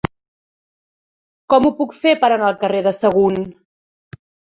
Com ho puc fer per anar al carrer de Sagunt?